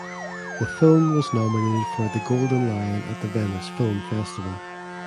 The film was nominated for the Golden Lion at the Venice Film Festival.